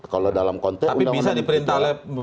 kalau dalam konteks tapi bisa diperintahkan